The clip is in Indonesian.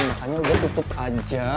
makanya gua tutup aja